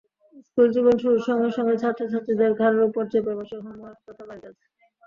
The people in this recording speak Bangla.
স্কুলজীবন শুরুর সঙ্গে সঙ্গে ছাত্রছাত্রীদের ঘাড়ের ওপর চেপে বসে হোমওয়ার্ক তথা বাড়ির কাজ।